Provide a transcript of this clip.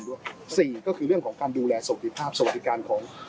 สี่ก็คือเรื่องของการดูแลสวัสดิภาพสวัสดิการของ